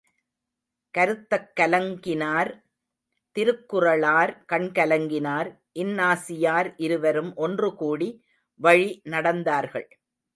கருத்தக் கலங்கினார் திருக்குறளார் கண்கலங்கினார் இன்னாசியார் இருவரும் ஒன்றுகூடி வழி நடந்தார்கள்.